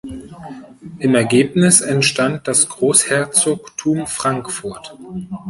Im Ergebnis entstand das Großherzogtum Frankfurt.